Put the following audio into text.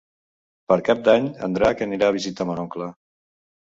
Per Cap d'Any en Drac anirà a visitar mon oncle.